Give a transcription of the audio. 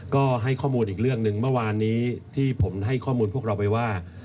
ก็ให้ข้อมูลอีกเรื่องหนึ่งเมื่อวานนี้ที่ผมให้ข้อมูลพวกเราไปว่า